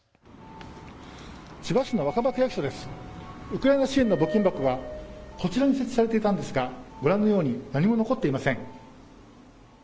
ウクライナ支援の募金箱はこちらに設置されていたんですがご覧のように何も残っていません。